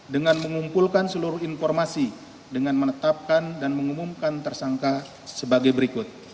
dengan mengumpulkan seluruh informasi dengan menetapkan dan mengumumkan tersangka sebagai berikut